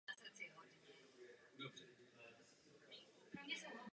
Je však zapsán do seznamu kulturních památek.